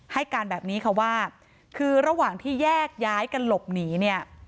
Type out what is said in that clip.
ให้การแบบนี้ค่ะว่าคือระหว่างที่แยกย้ายกันหลบหนีเนี่ย